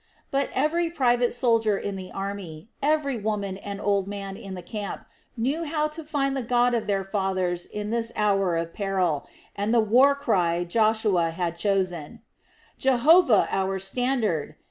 But every private soldier in the army, every woman and old man in the camp knew how to find the God of their fathers in this hour of peril, and the war cry Joshua had chosen: "Jehovah our standard!"